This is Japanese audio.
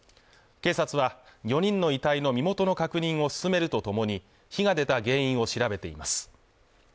警察は４人の遺体の身元の確認を進めるとともに火が出た原因を調べています